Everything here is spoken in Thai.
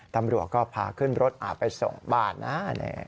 ตำรวจก็พาขึ้นรถไปส่งบ้านนะ